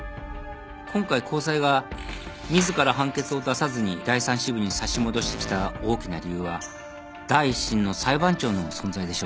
今回高裁が自ら判決を出さずに第３支部に差し戻してきた大きな理由は第一審の裁判長の存在でしょうね。